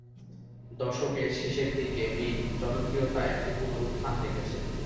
দশকের শেষের দিকে, মিম জনপ্রিয়তা একটি পুনরুত্থান দেখেছে।